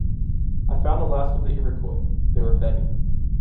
I found the last of the Iroquois. They were begging.